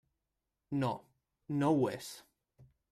No, no ho és.